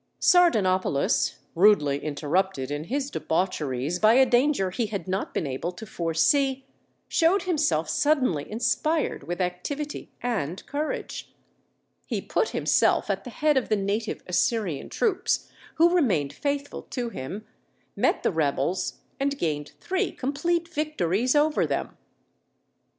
Sardanapalus, rudely interrupted in his debaucheries by a danger he had not been able to foresee, showed himself suddenly inspired with activity and courage; he put himself at the head of the native Assyrian troops who remained faithful to him, met the rebels, and gained three complete victories over them.